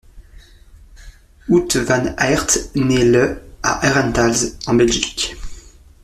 Wout Van Aert naît le à Herentals en Belgique.